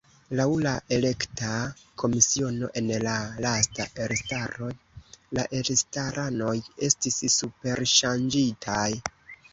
Laŭ la elekta komisiono en la lasta estraro la estraranoj estis “superŝarĝitaj”.